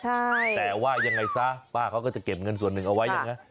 ใช่แต่ว่ายังไงซะป้าเขาก็จะเก็บเงินส่วนหนึ่งเอาไว้อย่างนั้น